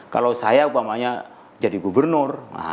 kalau saya umpamanya jadi gubernur